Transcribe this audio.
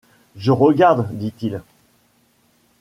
Je regarde, dit-il.